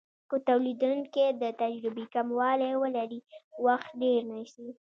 که تولیدونکی د تجربې کموالی ولري وخت ډیر نیسي.